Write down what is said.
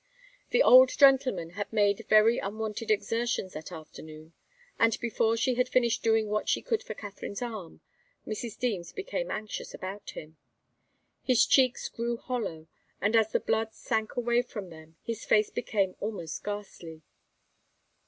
The old gentleman had made very unwonted exertions that afternoon, and before she had finished doing what she could for Katharine's arm, Mrs. Deems became anxious about him. His cheeks grew hollow, and as the blood sank away from them his face became almost ghastly.